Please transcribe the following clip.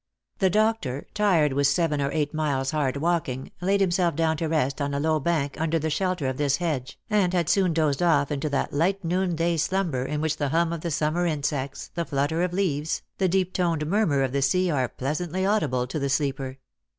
The doctor, tired with seven or eight miles' hard walking, laid himself down to rest on a low bank under the shelter of this hedge, and had soon dozed off into that light noon day slumber in which the hum of the sum mer insects, the flutter of leaves, the deep toned murmur of the sea, are pleasantly audible to the sleeper.